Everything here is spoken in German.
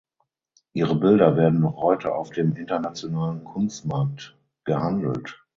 Ihre Bilder werden noch heute auf dem internationalen Kunstmarkt gehandelt.